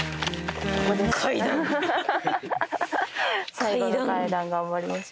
最後の階段頑張りましょ。